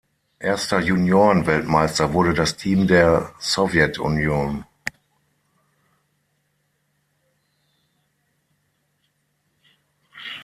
Erster Junioren-Weltmeister wurde das Team der Sowjetunion.